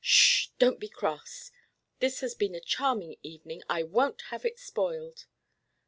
"Shh, don't be cross. This has been a charming evening. I won't have it spoiled."